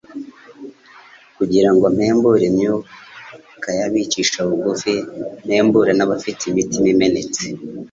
kugira ngo mpembure imyuka y’abicisha bugufi, mpembure n’abafite imitima imenetse